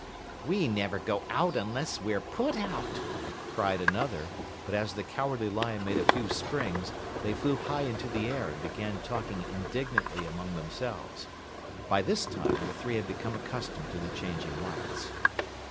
"We never go out unless we're put out," cried another, but as the Cowardly Lion made a few springs, they flew high into the air and began talking indignantly among themselves. By this time, the three had become accustomed to the changing lights.